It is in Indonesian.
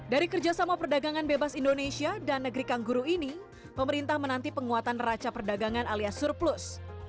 dari kerjasama perdagangan bebas indonesia dan negeri kangguru ini pemerintah menanti penguatan raca perdagangan alias surplus